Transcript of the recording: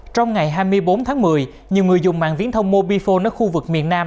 trong ngày hai mươi bốn tháng một mươi nhiều người dùng mạng viễn thông mobifone ở khu vực miền nam